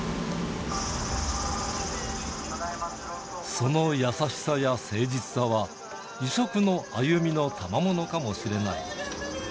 その優しさや誠実さは、いしょくの歩みのたまものかもしれない。